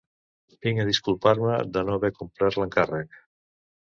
Vinc a disculpar-me de no haver complert l'encàrrec.